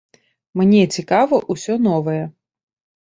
Мне цікава ўсё новае.